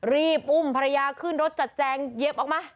รีบอุ้มภรรยาขึ้นรถจัดแจงเย็บออกมา